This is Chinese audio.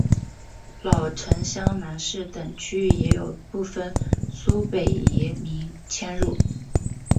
老城厢南市等区域也有部分苏北移民迁入。